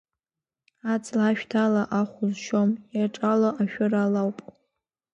Аҵла ашәҭ ала ахә узшьом, иаҿало ашәыр ала ауп.